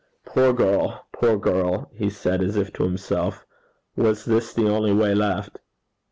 'Poor girl! poor girl!' he said, as if to himself: 'was this the only way left?'